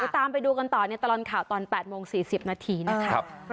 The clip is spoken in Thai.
ตามไปดูกันต่อในตลอดข่าวตอน๘โมง๔๐นาทีนะคะ